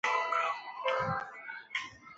慕容廆后为其在辽西侨置乐浪郡。